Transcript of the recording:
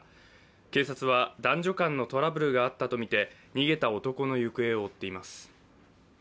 警察は男女間のトラブルがあったとみて逃げた男の行方を追っています。